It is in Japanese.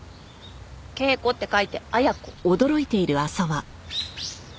「恵子」って書いて「あやこ」。